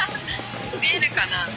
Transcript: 見えるかな？